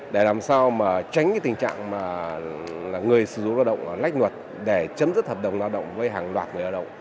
để làm sao tránh tình trạng người sử dụng lao động lách nguật để chấm dứt hợp đồng lao động với hàng loạt người lao động